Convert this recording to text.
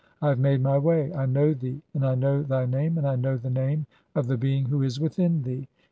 I have made [my] way. I know thee, and I know "thy name, and I know the (45) name of the being who is "within thee.